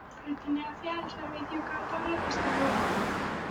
Pertenece al Servicio Cántabro de Salud.